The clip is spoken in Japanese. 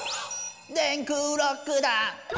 「電空ロックだ」